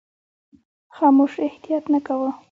خاموش احتیاط نه کاوه.